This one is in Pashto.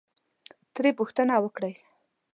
ترې پوښتنه وکړئ،